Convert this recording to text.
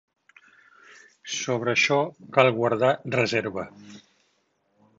Sobre això cal guardar reserva.